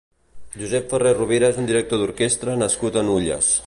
Josep Ferré Rovira és un director d'orquestra nascut a Nulles.